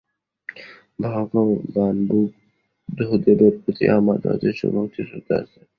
ভগবান বুদ্ধদেবের প্রতি আমার যথেষ্ট ভক্তি ও শ্রদ্ধা আছে।